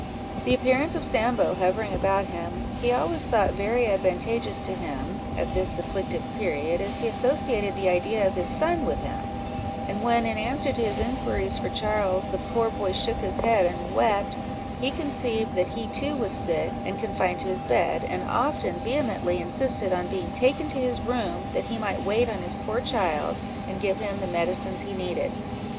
The appearance of Sambo hovering about him, he always thought very advantageous to him, at this afflictive period, as he associated the idea of his son with him; and when, in answer to his inquiries for Charles, the poor boy shook his head, and wept, he conceived that he too was sick, and confined to his bed; and often vehemently insisted on being taken to his room, that he might wait on his poor child, and give him the medicines he needed.